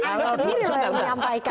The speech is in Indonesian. itu tadi anda sendiri yang menyampaikan